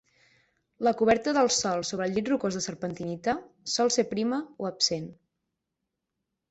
La coberta del sòl sobre el llit rocós de serpentinita sol ser prima o absent.